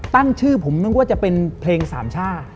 ตั้งชื่อผมนึกว่าจะเป็นเพลงสามช่า